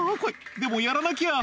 でもやらなきゃ」